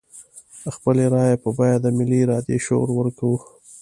د خپلې رايې په بيه د ملي ارادې شعار ورکوو.